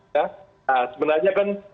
nah sebenarnya kan